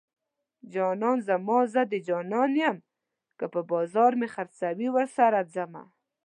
جانان زما زه د جانان یم که په بازار مې خرڅوي ورسره ځمه